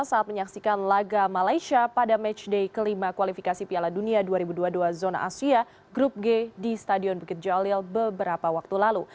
saat menyaksikan laga malaysia pada matchday kelima kualifikasi piala dunia dua ribu dua puluh dua zona asia grup g di stadion bukit jalil beberapa waktu lalu